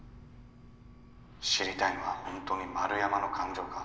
知りたいのは本当に円山の感情か？